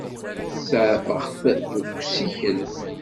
Saεfeɣ-t deg usikel.